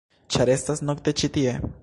ĉar estas nokte ĉi tie-.